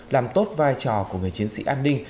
làm tốt vai trò của người chiến sĩ an ninh